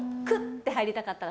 て入りたかったら。